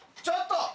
ちょっと！